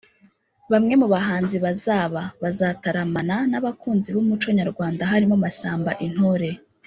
Bamwe mu bahanzi bazaba bazataramana n’abakunzi b’umuco nyarwanda harimo Masamba Intore